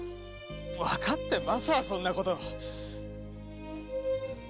わかってまさぁそんなこと！